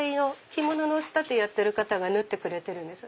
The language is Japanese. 着物のお仕立てやってる方が縫ってくれてるんです。